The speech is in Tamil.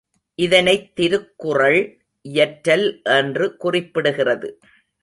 இதனைத் திருக்குறள் இயற்றல் என்று குறிப்பிடுகிறது.